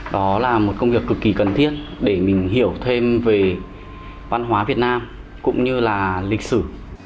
đó là một công việc cực kỳ cần thiết để mình hiểu thêm về văn hóa việt nam cũng như là lịch sử